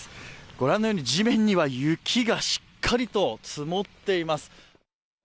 ご覧のように地面には雪がしっかりと積もっています。